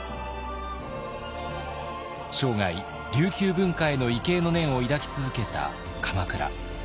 生涯琉球文化への畏敬の念を抱き続けた鎌倉。